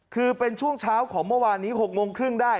คือเป็นช่วงเช้าของเมื่อวานนี้๖โมงครึ่งได้